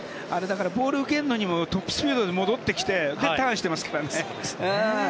ボールを受けるのにもトップスピードで戻ってきてで、ターンしてますからね。